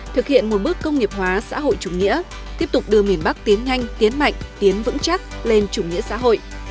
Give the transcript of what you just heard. thực hiện một bước công nghiệp hóa xã hội chủ nghĩa tiếp tục đưa miền bắc tiến nhanh tiến mạnh tiến vững chắc lên chủ nghĩa xã hội